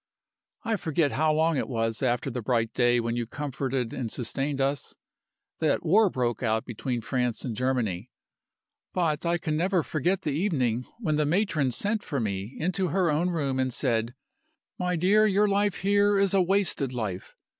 "I forget how long it was after the bright day when you comforted and sustained us that the war broke out between France and Germany. But I can never forget the evening when the matron sent for me into her own room and said, 'My dear, your life here is a wasted life.